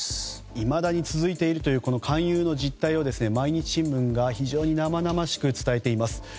いまだに続いているという勧誘の実態を毎日新聞が非常に生々しく伝えています。